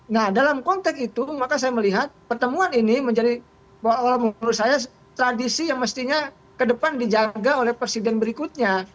nah dalam konteks itu maka saya melihat pertemuan ini menjadi bahwa menurut saya tradisi yang mestinya ke depan dijaga oleh presiden berikutnya